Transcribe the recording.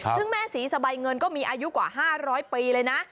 ซึ่งแม่ศรีสะใบเงินก็มีอายุกว่า๕๐๐ปีเลยนะ